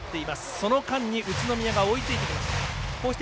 その間に宇都宮が追いついてきました。